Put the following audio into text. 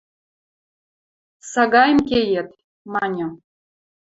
Сагаэм кеет... – маньы.